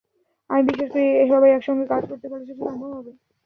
আমি বিশ্বাস করি, সবাই একসঙ্গে কাজ করতে পারলে সেটা সম্ভব হবে।